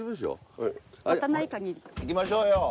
行きましょうよ！